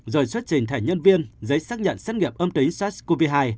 rồi xuất trình thẻ nhân viên giấy xác nhận xét nghiệm âm tính sars cov hai